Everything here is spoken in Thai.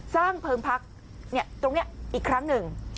สร้างเพิงพักเนี่ยตรงเนี่ยอีกครั้งหนึ่ง